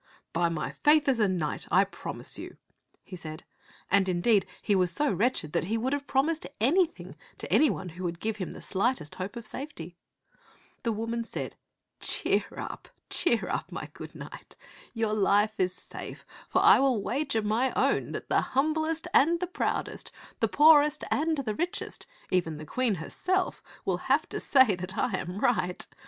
"By my faith as a knight I promise you," he said; and, indeed, he was so wretched that he would have promised anything to any one who would give him the slightest hope of safety. The woman said, " Cheer up, cheer up, my good knight. Your life is safe ; for I will wager my own that the humblest and the proudest, the poorest and the richest, even the Queen herself, will have to say that I am right.